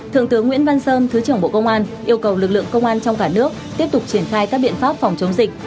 thượng tướng nguyễn văn sơn thứ trưởng bộ công an yêu cầu lực lượng công an trong cả nước tiếp tục triển khai các biện pháp phòng chống dịch